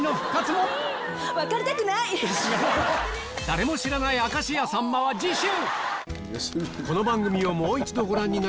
『誰も知らない明石家さんま』は次週！